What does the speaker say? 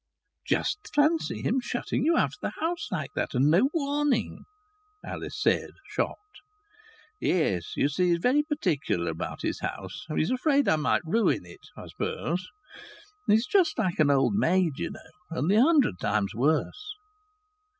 "Just fancy him shutting you out of the house like that, and no warning!" Alice said, shocked. "Yes. You see he's very particular about his house. He's afraid I might ruin it, I suppose. He's just like an old maid, you know, only a hundred times worse."